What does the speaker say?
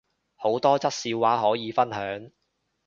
好多則笑話可以分享